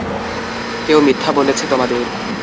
কেউ মিথ্যে বলেছে তোমাদের।